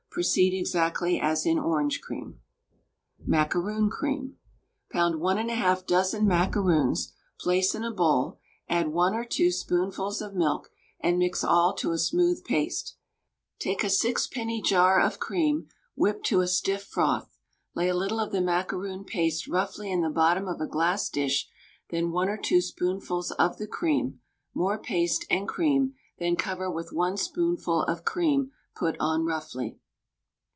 Proceed exactly as in "Orange Cream." MACAROON CREAM. Pound 1 1/2 doz. macaroons, place in a bowl, add 1 or 2 spoonfuls of milk, and mix all to a smooth paste. Take a 6d. jar of cream, whip to a stiff froth. Lay a little of the macaroon paste roughly in the bottom of a glass dish, then 1 or 2 spoonfuls of the cream, more paste and cream, then cover with 1 spoonful of cream put on roughly.